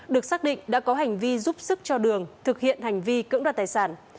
được xác định đã có hành vi giúp sức cho đường thực hiện hành vi cưỡng đoạt tài sản